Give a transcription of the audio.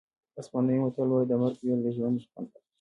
اسپانوي متل وایي د مرګ وېره د ژوند خوند اخلي.